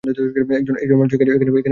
একজন মানুষ এখানে বসে আঙ্গুল চুষবে না।